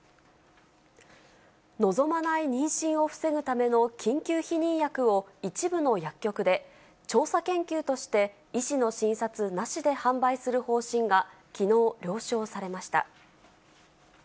望まない妊娠を防ぐための緊急避妊薬を一部の薬局で、調査研究として医師の診察なしで販売する方針がきのう了承されました。